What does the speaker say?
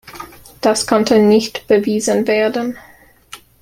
Das konnte nicht bewiesen werden.